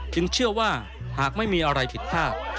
จึงเชื่อว่าหากไม่มีอะไรผิดภาพ